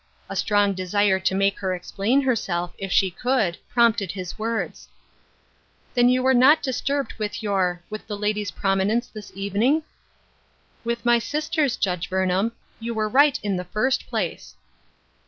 A strong desire to make her explain herself, if she could, prompted his words :" Then you were not disturbed with your — with the lady's prominence this evening ?"" With my sister's. Judge Burnham. You were right in the first place."